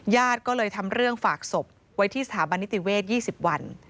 ญาติก็เลยทำเรื่องฝากศพไว้ที่สถาบันนิติเวท๒๐วัน